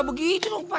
gak bisa begitu dong pak